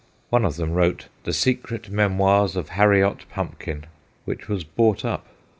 One of them wrote The Secret Memoirs of Harriot Pumpkin, which was bought up.